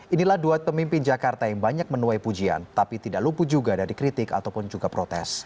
inilah duet pemimpin jakarta yang banyak menuai pujian tapi tidak luput juga dari kritik ataupun juga protes